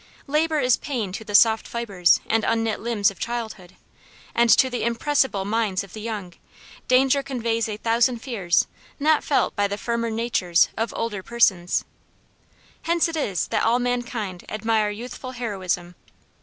Labor is pain to the soft fibers and unknit limbs of childhood, and to the impressible minds of the young, danger conveys a thousand fears not felt by the firmer natures of older persons. Hence it is that all mankind admire youthful heroism.